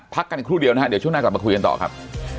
พักกันครู่เดียวนะฮะเดี๋ยวช่วงหน้ากลับมาคุยกันต่อครับ